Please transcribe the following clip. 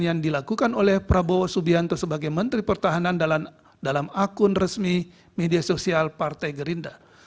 yang dilakukan oleh prabowo subianto sebagai menteri pertahanan dalam akun resmi media sosial partai gerindra